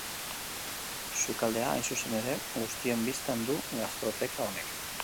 Sukaldea, hain zuzen ere, guztien bistan du gastroteka honek.